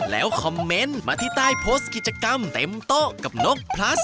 แล้วคอมเมนต์มาที่ใต้โพสต์กิจกรรมเต็มโต๊ะกับนกพลัส